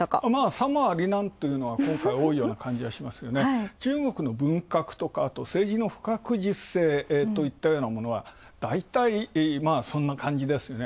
さもありなんというのが、多いような気がしますが中国の文革とか、あと政治の不確実性といったようなものはだいたい、そんな感じですよね。